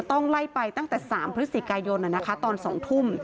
ต้องไล่ไปตั้งแต่๓พฤศจิกายนตอน๒ทุ่ม